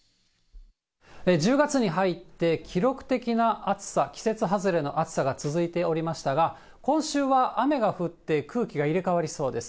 １０月に入って記録的な暑さ、季節外れの暑さが続いておりましたが、今週は雨が降って、空気が入れ替わりそうです。